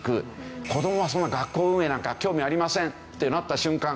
子供はそんな学校運営なんか興味ありませんってなった瞬間